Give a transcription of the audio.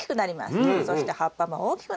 そして葉っぱも大きくなります。